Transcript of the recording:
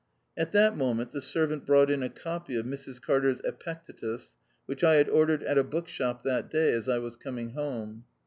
At that moment the servant brought in a copy of Mrs Carter's Epictetus, which I had ordered at a book shop that day as I was coming home.